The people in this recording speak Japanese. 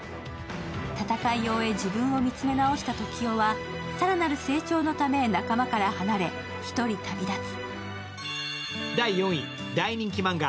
戦いを終え自分を見つめ直したトキオは更なる成長のため仲間から離れ、一人旅立つ。